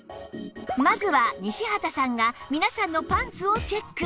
まずは西畑さんが皆さんのパンツをチェック